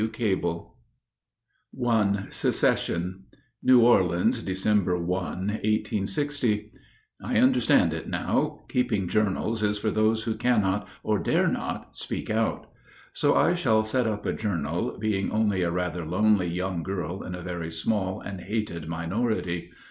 G.W. CABLE. I SECESSION New Orleans, Dec. 1, 1860. I understand it now. Keeping journals is for those who cannot, or dare not, speak out. So I shall set up a journal, being only a rather lonely young girl in a very small and hated minority.